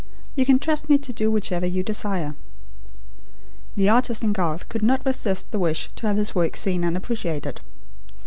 You can trust me to do whichever you desire." The artist in Garth could not resist the wish to have his work seen and appreciated.